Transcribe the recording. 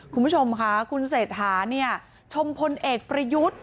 คุณผู้ชมค่ะคุณเศรษฐาเนี่ยชมพลเอกประยุทธ์